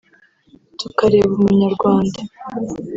tukareba Umunyarwanda